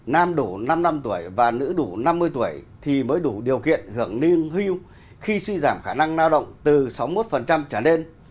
nam đủ năm mươi tuổi nữ đủ bốn mươi năm tuổi và bị suy giảm khả năng lao động từ tám mươi một trở nên